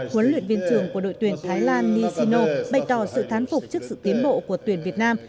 huấn luyện viên trưởng của đội tuyển thái lan nishino bày tỏ sự thán phục trước sự tiến bộ của tuyển việt nam